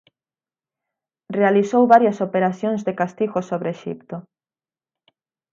Realizou varias operacións de castigo sobre Exipto.